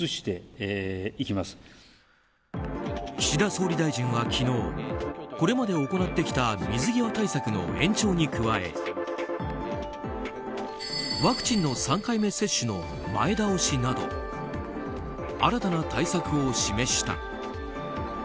岸田総理大臣は昨日これまで行ってきた水際対策の延長に加えワクチンの３回目接種の前倒しなど新たな対策を示した。